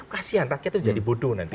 kasian rakyat itu jadi bodoh nanti